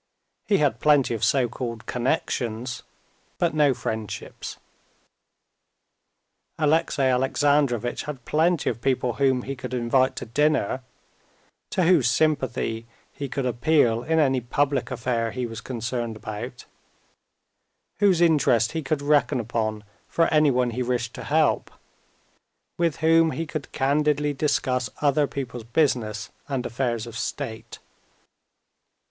He had plenty of so called connections, but no friendships. Alexey Alexandrovitch had plenty of people whom he could invite to dinner, to whose sympathy he could appeal in any public affair he was concerned about, whose interest he could reckon upon for anyone he wished to help, with whom he could candidly discuss other people's business and affairs of state.